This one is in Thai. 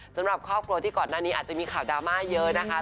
สำหรับครอบครัวที่ก่อนหน้านี้อาจจะมีข่าวดราม่าเยอะนะคะ